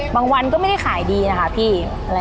วันก็ไม่ได้ขายดีนะคะพี่